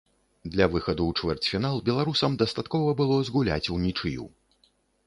Для выхаду ў чвэрцьфінал беларусам дастаткова было згуляць унічыю.